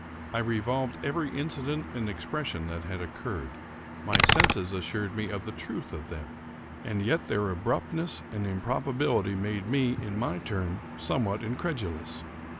I revolved every incident and expression that had oc curred. My senses assured me of the truth of them; and yet their abruptness and improbability made me, in my turn, somewhat incredulous.